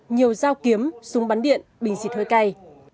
nhiều dao kiếm súng bắn điện bình xịt hơi cay